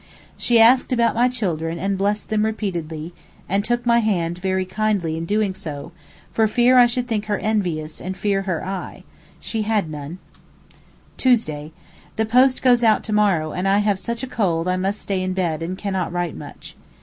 She asked about my children and blessed them repeatedly, and took my hand very kindly in doing so, for fear I should think her envious and fear her eye—she had none. Tuesday.—The post goes out to morrow, and I have such a cold I must stay in bed and cannot write much.